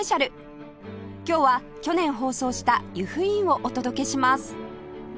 今日は去年放送した由布院をお届けします